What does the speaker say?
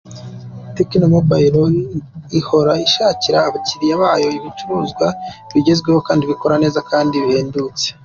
Tecno Mobile ihora ishakira abakiliya bayo ibicuruzwa bigezweho, bikora neza kandi bihendutse.